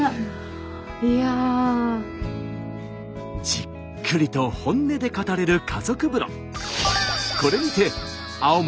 じっくりと本音で語れる家族風呂。